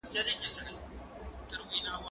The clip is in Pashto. زه هره ورځ ونې ته اوبه ورکوم؟!